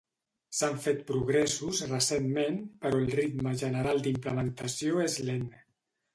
S'han fet progressos recentment, però el ritme general d'implementació és lent.